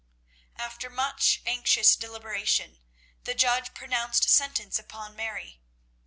After much anxious deliberation the judge pronounced sentence upon Mary.